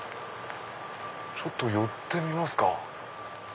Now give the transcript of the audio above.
ちょっと寄ってみますか。